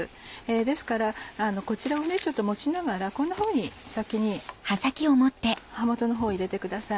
ですからこちらを持ちながらこんなふうに先に葉元のほうを入れてください。